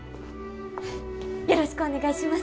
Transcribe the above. よろしくお願いします！